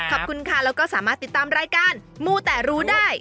ขอบคุณค่ะแล้วก็สามารถติดตามรายการมูแต่รู้ได้